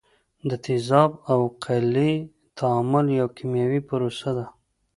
د تیزاب او القلي تعامل یو کیمیاوي پروسه ده.